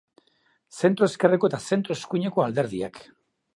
Zentro-ezkerreko eta zentro-eskuineko alderdiak.